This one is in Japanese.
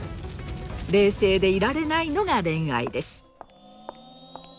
冷静でいられないのが恋愛です。